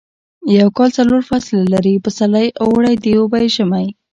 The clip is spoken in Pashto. یو کال څلور فصله لري پسرلی اوړی دوبی ژمی